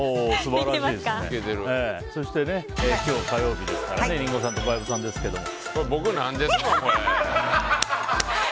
そして、今日は火曜日ですからリンゴさんと小籔さんですけどね。